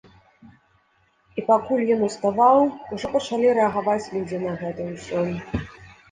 І пакуль ён уставаў, ужо пачалі рэагаваць людзі на гэта ўсё.